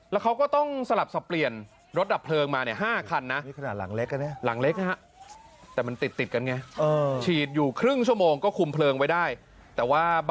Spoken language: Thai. แล้วเขาก็ต้องสลับสับเปลี่ยนรถดับเพลิงมา๕คันนะ